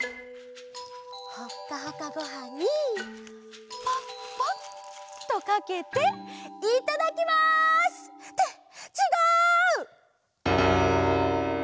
ほっかほかごはんにパッパッとかけていただきます！ってちがう！